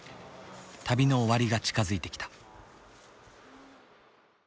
旅の終わりが近づいてきた。